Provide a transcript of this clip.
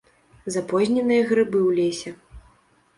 Запозненыя грыбы ў лесе.